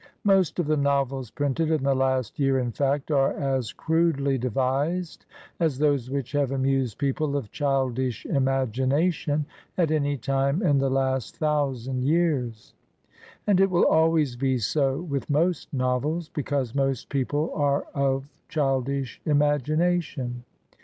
Most of the novels printed in the last year, in fact, are as crudely devised as those which have amused people of childish imagination at any time in the last thou sand years ; and it will always be so with most novels, because most people are of childish imagination.